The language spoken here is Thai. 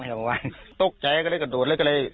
เรียบออกมาตุ๊กแจกก็เลยกระโดดเล็กก็เลย